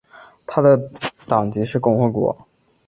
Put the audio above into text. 他的党籍是共和党。